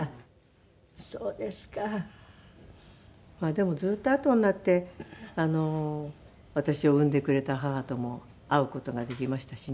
でもずーっとあとになって私を産んでくれた母とも会う事ができましたしね。